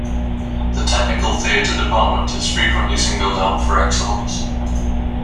The technical theater department is frequently singled out for excellence.